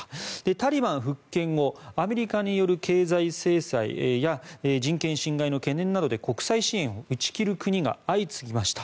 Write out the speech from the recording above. タリバン復権後アメリカによる経済制裁や人権侵害の懸念などで国際支援を打ち切る国が相次ぎました。